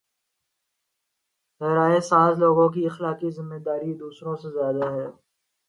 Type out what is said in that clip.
رائے ساز لوگوں کی اخلاقی ذمہ داری دوسروں سے زیادہ ہے۔